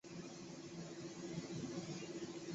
美丽假花瓣蟹为扇蟹科假花瓣蟹属的动物。